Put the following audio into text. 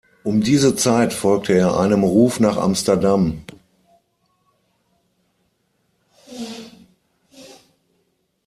Um diese Zeit folgte er einem Ruf nach Amsterdam.